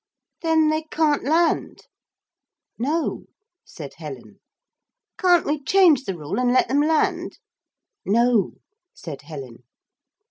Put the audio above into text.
'Then they can't land?' 'No,' said Helen. 'Can't we change the rule and let them land?' 'No,' said Helen.